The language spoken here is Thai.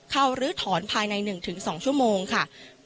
เข้ารื้อถอนภายในหนึ่งถึงสองชั่วโมงค่ะ